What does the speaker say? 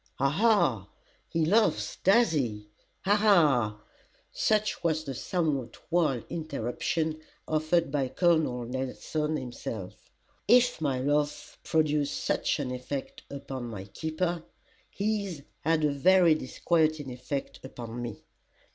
"Ha! Ha! he laughs does he Ha! Ha!" such was the somewhat wild interruption offered by Col. Nelson himself. If my laugh produced such an effect upon my keeper, his had a very disquieting effect upon me.